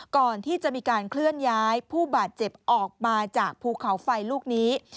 ก่อนที่จะมีการเคลื่อนย้ายผู้บาดเจ็บออกมาจากภูเขาไฟลูกนี้